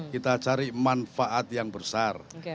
kita cari manfaat yang besar